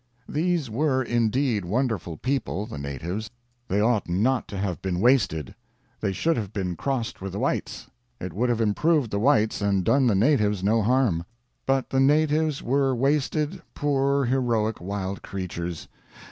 These were indeed wonderful people, the natives. They ought not to have been wasted. They should have been crossed with the Whites. It would have improved the Whites and done the Natives no harm. But the Natives were wasted, poor heroic wild creatures.